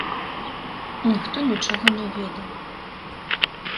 Ніхто нічога не ведаў.